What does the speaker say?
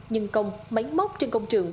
nhưng công máy móc trên công trường